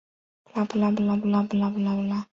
不同方言族群有其方言之称呼。